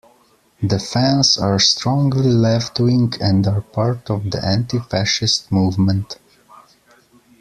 The fans are strongly left-wing and are part of the anti-fascist movement.